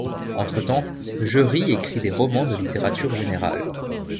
Entre-temps, Jeury écrit des romans de littérature générale.